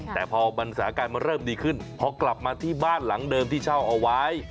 แต่พอสถานการณ์มันเริ่มดีขึ้นพอกลับมาที่บ้านหลังเดิมที่เช่าเอาไว้